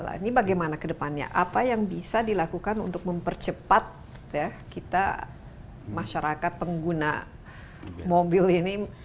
ini bagaimana ke depannya apa yang bisa dilakukan untuk mempercepat kita masyarakat pengguna mobil ini